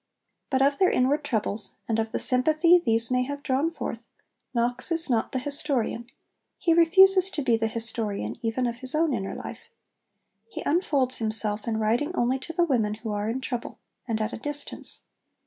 But of their inward troubles, and of the sympathy these may have drawn forth, Knox is not the historian he refuses to be the historian even of his own inner life. He unfolds himself in writing only to the women who are in trouble, and at a distance.